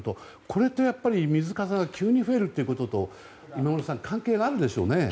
これと、水かさが急に増えるということとは今村さん関係があるでしょうね。